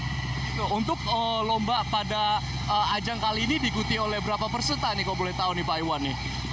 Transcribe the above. jadi kita bisa lihat lomba pada ajang kali ini dikutih oleh berapa peserta nih kalau boleh tahu nih pak iwan